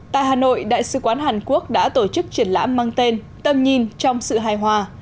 tại hà nội đại sứ quán hàn quốc đã tổ chức triển lãm mang tên tâm nhìn trong sự hài hòa